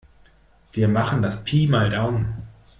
Wir machen das Pi mal Daumen.